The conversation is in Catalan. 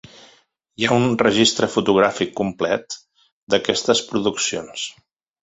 Hi ha un registre fotogràfic complet d'aquestes produccions.